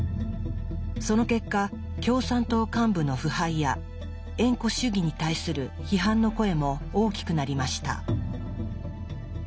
その結果共産党幹部の腐敗や縁故主義に対する批判の声も大きくなりました。